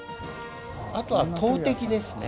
あとは投てきですね。